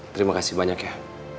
terimakasih banyak ya